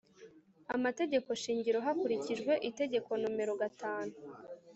amategeko shingiro hakurikijwe Itegeko Nomero gatanu